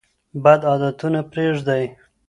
بد عادتونه پریږدئ.